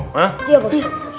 dia pak ustadz